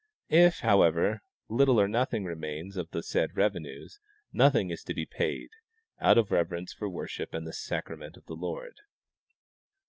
If, however, little or nothing remains of the said revenues, nothing is to be paid, out of reverence for worship and the sacrament of the Lord.